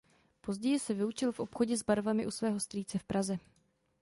Později se vyučil v obchodě s barvami u svého strýce v Praze.